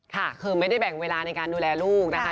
ค่ะคือไม่ได้แบ่งเวลาในการดูแลลูกนะคะ